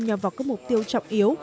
nhằm vào các mục tiêu trọng yếu